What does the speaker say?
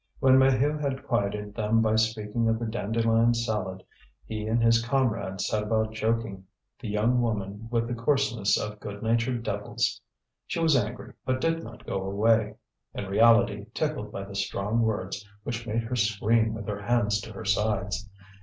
When Maheu had quieted them by speaking of the dandelion salad, he and his comrade set about joking the young woman with the coarseness of good natured devils. She was angry, but did not go away, in reality tickled by the strong words which made her scream with her hands to her sides.